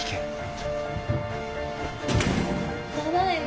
・ただいま。